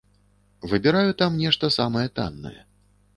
Выбіраю там нешта самае таннае.